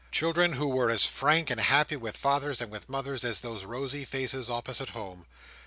Children who were as frank and happy with fathers and with mothers as those rosy faces opposite home.